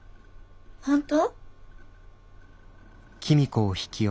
本当？